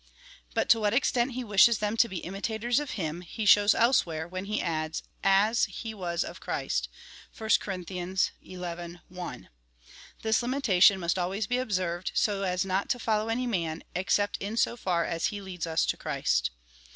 But to what extent he wishes them to be imitators of him, he shows elsewhere, when he adds, as he was of Christ. (1 Cor. xi. 1.) This limitation must al ways be observed, so as not to follow any man, except in so far as he leads us to Christ.